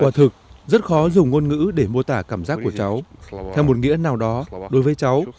quả thực rất khó dùng ngôn ngữ để mô tả cảm giác của cháu theo một nghĩa nào đó đối với cháu